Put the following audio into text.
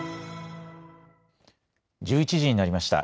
１１時になりました。